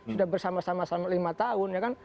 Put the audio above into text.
sudah bersama sama selama lima tahun ya kan